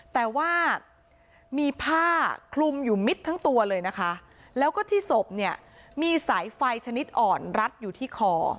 แต่ว่ามีผ้าคลุมอยู่มิดทั้งตัวเลยนะคะแล้วก็ที่ศพเนี่ยมีสายไฟชนิดอ่อนรัดอยู่ที่คอ